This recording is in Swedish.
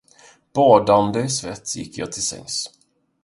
Badande i svett gick jag till sängs.